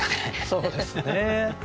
そうですね。